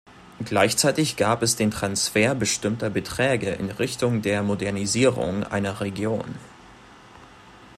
Gleichzeitig gab es den Transfer bestimmter Beträge in Richtung der Modernisierung einer Region.